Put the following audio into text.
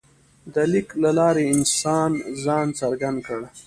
د لیک له لارې انسان ځان څرګند کړ.